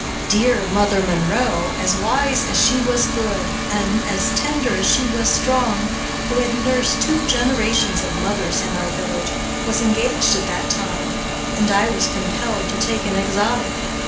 Dear "Mother Monroe," as wise as she was good, and as tender as she was strong, who had nursed two generations of mothers in our village, was engaged at that time, and I was compelled to take an exotic.